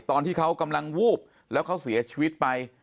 ตอนที่เขากำลังวูบแล้วเขาเสียชีวิตไป